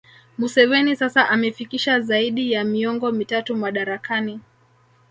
Museveni sasa amefikisha zaidi ya miongo mitatu madarakani